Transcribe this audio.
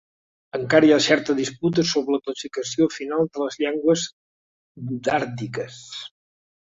Encara hi ha certa disputa sobre la classificació final de les llengües dàrdiques.